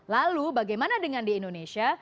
lalu bagaimana dengan di indonesia